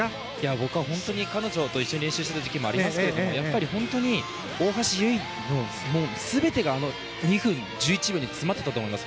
僕は彼女と一緒に練習した時期もありますが本当に、大橋悠依の全てがあの２分１１秒に詰まっていたと思います。